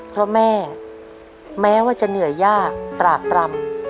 เพราะแม่แม้ว่าจะเหนื่อยยากตรากตรำ